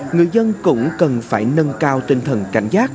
người dân cũng cần phải nâng cao tinh thần